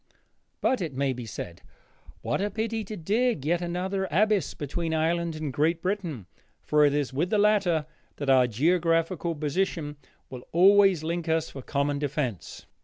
But, it may be said, what a pity to dig yet another abyss between Ireland and Great Britain, for it is with the latter that our geographical position will always link us for common defense.